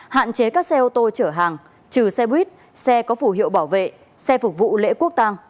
hạn chế các xe ô tô chở hàng trừ xe buýt xe có phủ hiệu bảo vệ xe phục vụ lễ quốc tàng